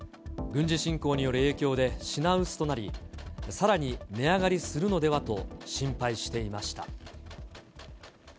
軍事侵攻による影響で品薄となり、さらに値上がりするのではと心配していました。